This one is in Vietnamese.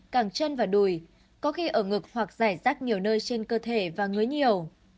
càng chân và đùi có khi ở ngực hoặc giải rác nhiều nơi trên cơ thể và ngứa nhiều